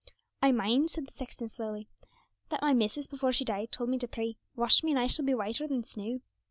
'I mind,' said the sexton slowly, 'that my missus, before she died, told me to pray, "Wash me, and I shall be whiter than snow."